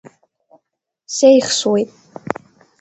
Сеихсуеит.